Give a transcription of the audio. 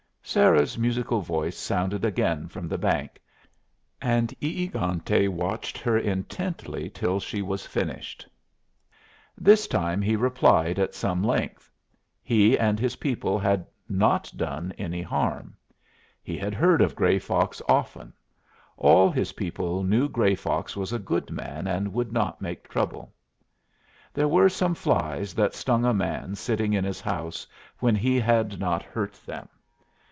Sarah's musical voice sounded again from the bank, and E egante watched her intently till she was finished. This time he replied at some length. He and his people had not done any harm. He had heard of Gray Fox often. All his people knew Gray Fox was a good man and would not make trouble. There were some flies that stung a man sitting in his house, when he had not hurt them.